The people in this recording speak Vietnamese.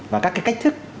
và các cái cách thức